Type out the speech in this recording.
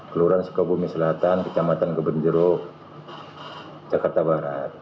kelurahan sukabumi selatan kecamatan kebenjeruk jakarta barat